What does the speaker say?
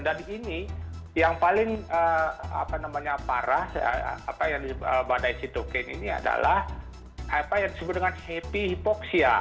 dan ini yang paling apa namanya parah badai sitoken ini adalah apa yang disebut dengan happy hypoxia